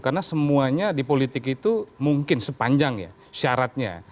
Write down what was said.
karena semuanya di politik itu mungkin sepanjang syaratnya